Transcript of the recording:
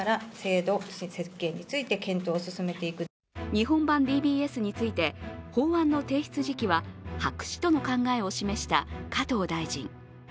日本版ＤＢＳについて法案の提出時期は白紙との考えを示した加藤大臣。